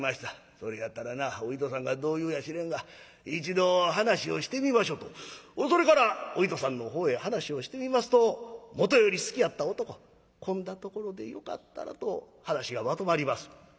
それやったらなお糸さんがどう言うやしれんが一度話をしてみましょ」とそれからお糸さんのほうへ話をしてみますともとより好きやった男「こんなところでよかったら」と話がまとまります。